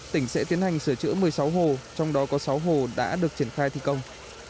tỉnh sẽ tiến hành sửa chữa một mươi sáu hồ trong đó có sáu hồ đã được triển khai thi công